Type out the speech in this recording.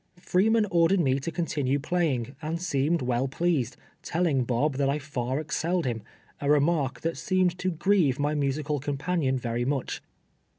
Freeman ordered me to continue playing, and seemed well pleased, telling Bob that I far excelled him — a remark that seemed to grieve my musical companion very much.